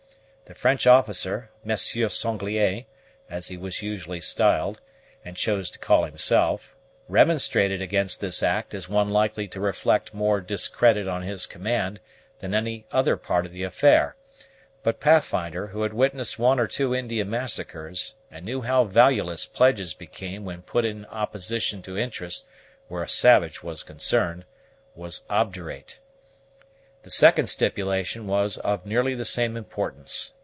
The French officer, Monsieur Sanglier, as he was usually styled, and chose to call himself, remonstrated against this act as one likely to reflect more discredit on his command than any other part of the affair; but Pathfinder, who had witnessed one or two Indian massacres, and knew how valueless pledges became when put in opposition to interest where a savage was concerned, was obdurate. The second stipulation was of nearly the same importance.